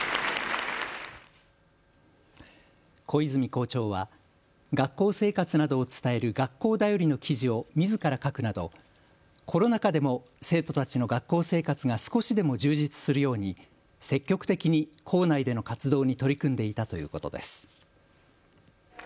小泉校長は学校生活などを伝える学校だよりの記事をみずから書くなどコロナ禍でも生徒たちの学校生活が少しでも充実するように積極的に校内での活動に取り組んでいたということです。